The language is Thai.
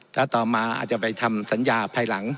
ถ้าต่อมาอาจจะไปทำสัญญาภายหลัง